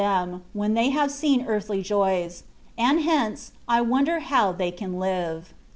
them, when they have seen earthly joys: and hence, I wonder how they can live.